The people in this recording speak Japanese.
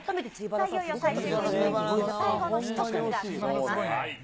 さあ、いよいよ最終決戦に進む最後の１組が決まります。